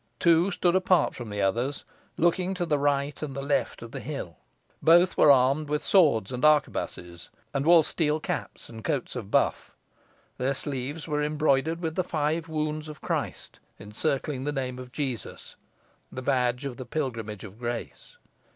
Two stood apart from the others, looking to the right and the left of the hill. Both were armed with swords and arquebuses, and wore steel caps and coats of buff. Their sleeves were embroidered with the five wounds of Christ, encircling the name of Jesus the badge of the Pilgrimage of Grace.